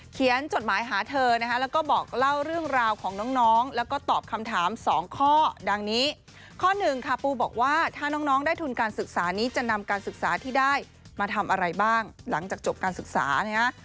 จดหมายหาเธอนะคะแล้วก็บอกเล่าเรื่องราวของน้องแล้วก็ตอบคำถามสองข้อดังนี้ข้อหนึ่งค่ะปูบอกว่าถ้าน้องได้ทุนการศึกษานี้จะนำการศึกษาที่ได้มาทำอะไรบ้างหลังจากจบการศึกษานะฮะ